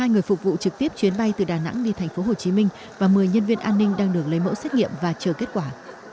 một mươi hai người phục vụ trực tiếp chuyến bay từ đà nẵng đi thành phố hồ chí minh và một mươi nhân viên an ninh đang đường lấy mẫu xét nghiệm và chờ kết quả